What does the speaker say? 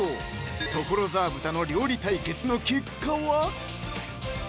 所沢豚の料理対決の結果は？